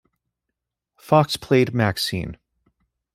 Fox played Maxine.